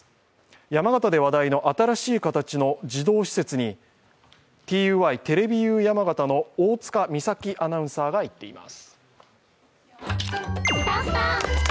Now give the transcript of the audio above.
山形で話題の新しい形の児童施設にＴＵＹテレビユー山形の大塚美咲アナウンサーが行っています。